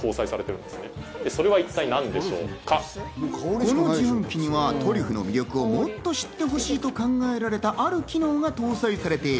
この自販機にはトリュフの魅力をもっと知ってほしいと考えられたある機能が搭載されている。